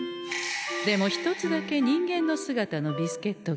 でも一つだけ人間の姿のビスケットがござんすよ。